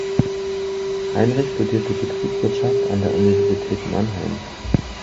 Heinrich studierte Betriebswirtschaft an der Universität Mannheim.